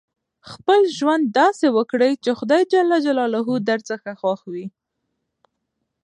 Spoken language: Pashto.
خپل ژوند داسي وکړئ، چي خدای جل جلاله درڅخه خوښ اوسي.